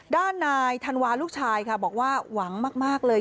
ด้านนายธันวาลูกชายค่ะบอกว่าหวังมากเลย